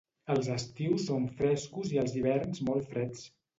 Els estius són frescos i els hiverns molt freds.